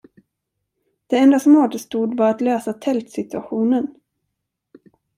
Det enda som återstod var att lösa tältsituationen.